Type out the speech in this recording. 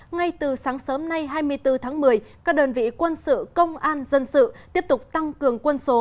ngay từ sáng sớm nay hai mươi bốn tháng một mươi các đơn vị quân sự công an dân sự tiếp tục tăng cường quân số